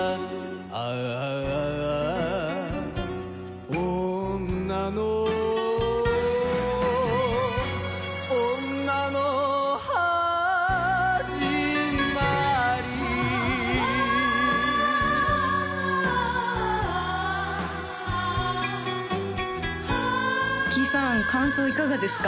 ああ女の女のはじまりキイさん感想いかがですか？